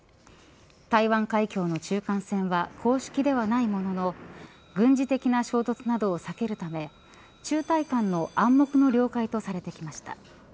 台湾海峡の中間線は公式ではないものの軍事的な衝突などを避けるため中台間の暗黙の了解とされてきました。